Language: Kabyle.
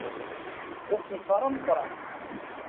D asenfar amuqran.